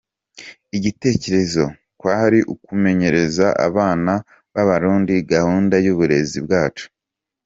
Igitekerezo kwari ukumenyereza abana b’Abarundi gahunda y’uburezi bwacu.